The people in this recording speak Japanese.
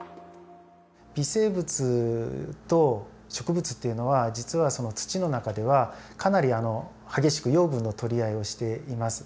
微生物と植物っていうのは実はその土の中ではかなり激しく養分の取り合いをしています。